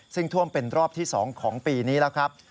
ซึ่งท่วมเป็นรอบที่๒ของปีนี้แล้วครับ